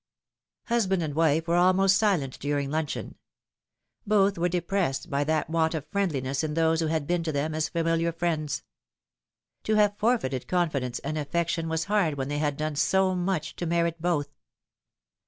Husband and wife were almost silent during luncheon. Both vrere depressed by that want of friendliness ia those who had been to them as familiar friends. To have forfeited confidence and affection was hard when they had done so much to merit both.